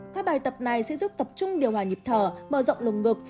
các bài tập này sẽ giúp tập trung điều hòa nhịp thở mở rộng lồng ngực